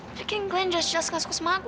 mereka kan jelas jelas nggak suka sama aku